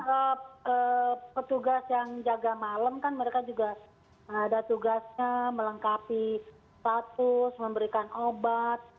karena petugas yang jaga malam kan mereka juga ada tugasnya melengkapi status memberikan obat